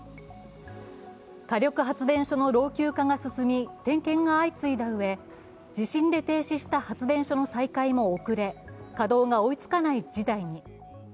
火力発電所の老朽化が進み点検が相次いだうえ、地震で停止した発電所の再開も遅れ、稼働が追いつかない事態に。